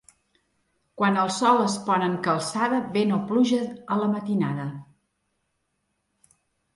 Quan el sol es pon en calçada, vent o pluja a la matinada.